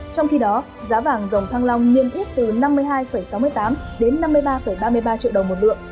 trong khi đó giá vàng dòng thăng long nhiên ít từ năm mươi hai sáu mươi tám năm mươi ba ba mươi ba triệu đồng một lượng